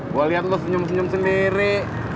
gue lihat lo senyum senyum sendiri